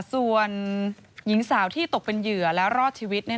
ส่วนหญิงสาวที่ตกเป็นเหยื่อและรอดชีวิต